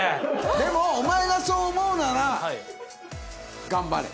でもお前がそう思うなら頑張れ。